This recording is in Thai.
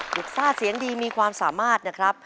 ซ่าเสียงดีมีความสามารถนะครับ